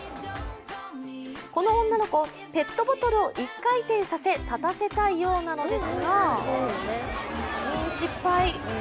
この女の子、ペットボトルを１回転させ立たせたいようなのですがうん失敗。